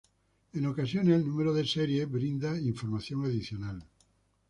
En ocasiones, el número de serie brinda información adicional.